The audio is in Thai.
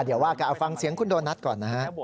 เดี๋ยวว่ากันเอาฟังเสียงคุณโดนัทก่อนนะฮะ